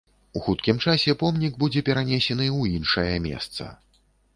У хуткім часе помнік будзе перанесены ў іншае месца.